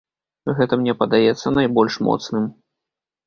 Гэта мне падаецца найбольш моцным.